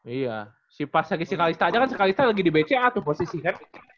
iya si pas lagi si kalista aja kan si kalista lagi di bca tuh posisi kan